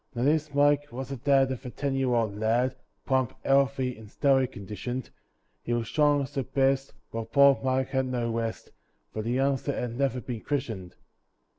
Now this Mike was the dad of a ten year old lad, Plump, healthy, and stoutly conditioned; He was strong as the best, but poor Mike had no rest For the youngster had never been christened.